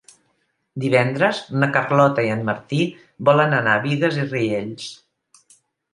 Divendres na Carlota i en Martí volen anar a Bigues i Riells.